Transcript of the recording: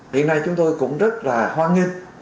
hiện nay chúng tôi cũng rất là hoan nghênh